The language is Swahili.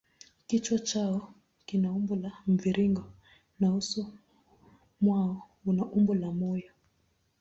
Kichwa chao kina umbo la mviringo na uso mwao una umbo la moyo.